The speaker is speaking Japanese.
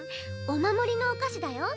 お守りのお菓子だよ。